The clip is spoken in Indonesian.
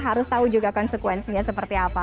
harus tahu juga konsekuensinya seperti apa